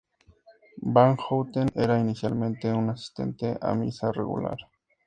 Van Houten era inicialmente una asistente a misa regular.